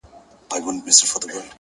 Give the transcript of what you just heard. هره لحظه د پرمختګ نوی امکان لري!.